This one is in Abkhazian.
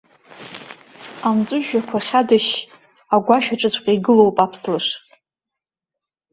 Амҵәыжәҩақәа хьадышьшь, агәашәаҿыҵәҟьа игылоуп аԥслыш.